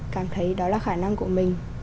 cảm thấy đó là khả năng của mình